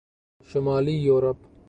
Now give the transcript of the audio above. شمالی یورپ